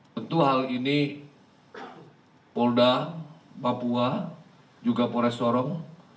tentu hal ini polda papua juga pores sorong